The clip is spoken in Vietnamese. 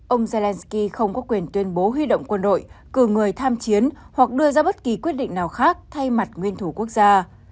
ông zelenskyy không có quyền tuyên bố huy động quân đội cử người tham chiến hoặc đưa ra bất kỳ quyết định nào khác thay mặt nguyên thủ quốc gia